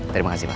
terima kasih pak